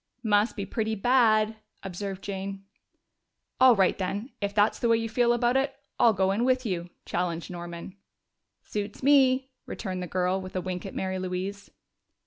"Must be pretty bad," observed Jane. "All right, then, if that's the way you feel about it, I'll go in with you!" challenged Norman. "Suits me," returned the girl, with a wink at Mary Louise.